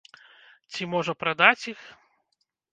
Ці, можа, прадаць іх?